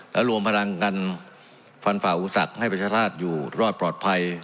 และรวมพลังกันฟันฝ่าอุสักให้ประชาชาติอยู่รอดปลอดภัย